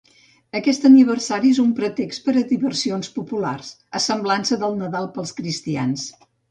Aquest aniversari és un pretext per a diversions populars, a semblança del Nadal pels cristians.